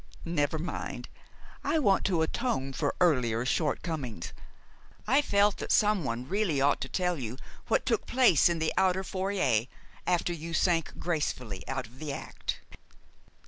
Never mind. I want to atone for earlier shortcomings. I felt that someone really ought to tell you what took place in the outer foyer after you sank gracefully out of the act.